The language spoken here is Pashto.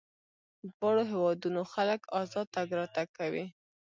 دواړو هېوادونو خلک ازاد تګ راتګ کوي.